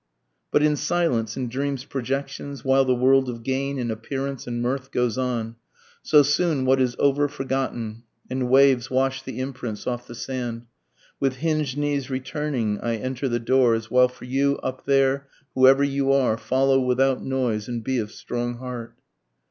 But in silence, in dreams' projections, While the world of gain and appearance and mirth goes on, So soon what is over forgotten, and waves wash the imprints off the sand, With hinged knees returning I enter the doors, (while for you up there, Whoever you are, follow without noise and be of strong heart.)